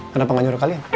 kenapa gak nyuruh kalian